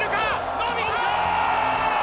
伸びたー！